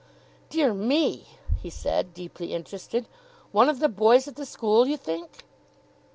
"Dear me!" he said, deeply interested. "One of the boys at the school, you think?"